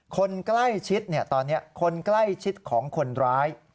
คนใกล้ชิดตอนนี้คนใกล้ชิดของคนร้าย